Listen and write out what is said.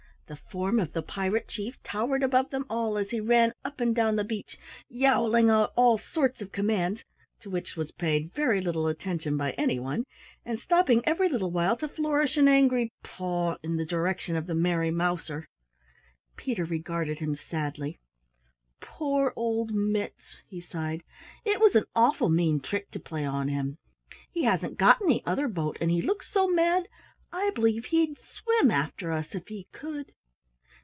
The form of the Pirate Chief towered above them all as he ran up and down the beach yowling out all sorts of commands to which was paid very little attention by any one, and stopping every little while to flourish an angry paw in the direction of the Merry Mouser. Peter regarded him sadly. "Poor old Mitts," he sighed, "it was an awful mean trick to play on him! He hasn't got any other boat and he looks so mad, I b'lieve he'd swim after us if he could."